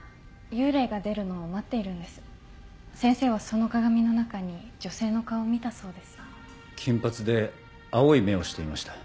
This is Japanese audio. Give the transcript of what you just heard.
幽霊が出るのを待っているんです先生はその鏡の中に女性の顔を見たそ金髪で青い目をしていました